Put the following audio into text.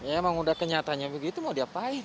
emang udah kenyataannya begitu mau diapain